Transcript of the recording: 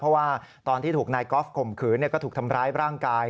เพราะว่าตอนที่ถูกนายกอล์ฟข่มขืนก็ถูกทำร้ายร่างกาย